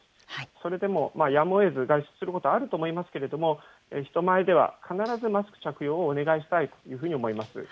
それでも、やむをえず外出することあると思いますけれども、人前では必ずマスク着用をお願いしたいというふうに思います。